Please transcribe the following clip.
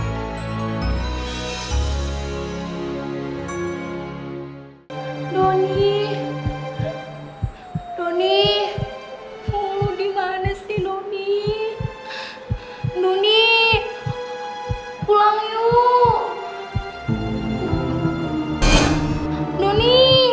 hai hai hai doni doni mulu dimana sih doni doni pulang yuk doni